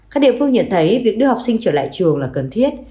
các địa phương nhận thấy việc đưa học sinh trở lại trường là cần thiết